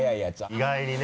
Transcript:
意外にね。